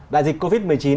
đại dịch covid một mươi chín